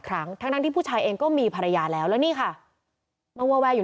ครั้งทั้งที่ผู้ชายเองก็มีภรรยาแล้วแล้วนี่ค่ะมาวาวแวอยู่